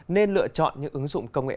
nên lựa chọn những ứng dụng công nghệ nào